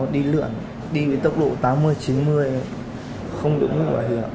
đi lượn đi với tốc độ tám mươi chín mươi không đối mũi bảo hiểm